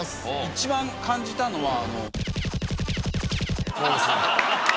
一番感じたのは。